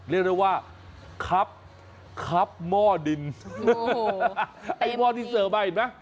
เรียกได้ว่าคับคับหม้อดินโอ้โหเต็มดิไอ้ม่อที่เสิร์ฟมาเห็นไหม